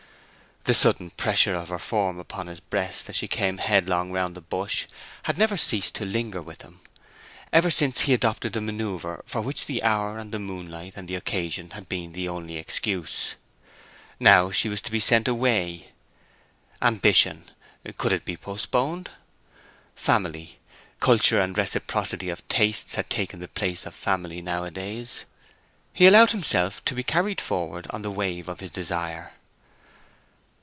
The sudden pressure of her form upon his breast as she came headlong round the bush had never ceased to linger with him, ever since he adopted the manoeuvre for which the hour and the moonlight and the occasion had been the only excuse. Now she was to be sent away. Ambition? it could be postponed. Family? culture and reciprocity of tastes had taken the place of family nowadays. He allowed himself to be carried forward on the wave of his desire.